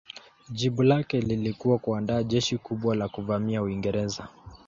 Jibu lake lilikuwa kuandaa jeshi kubwa la kuvamia Uingereza.